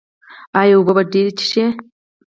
ایا اوبه به ډیرې څښئ؟